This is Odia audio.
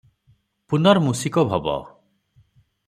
-ପୁନର୍ମୂଷିକୋଭବ ।"